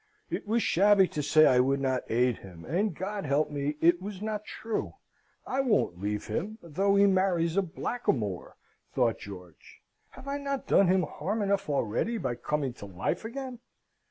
"It was shabby to say I would not aid him, and, God help me, it was not true. I won't leave him, though he marries a blackamoor," thought George "have I not done him harm enough already, by coming to life again?